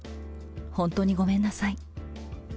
本当にごめんなさい。